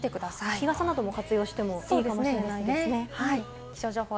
日傘なども活用してもいいかもしれませんね。